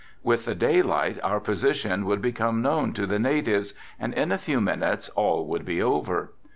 With the daylight our position would become known to the natives and in a few minutes all would be over.